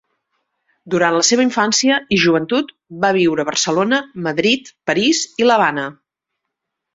Durant la seva infància i joventut va viure a Barcelona, Madrid, París i l'Havana.